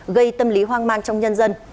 gây tâm lý hoang mang trong nhân dân